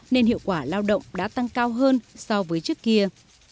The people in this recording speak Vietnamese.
nên hiệu quả lao động đã tăng cao hơn so với trước kia